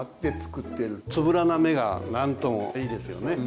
つぶらな目がなんともいいですよね。